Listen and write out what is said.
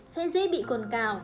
sẽ dễ bị cồn cào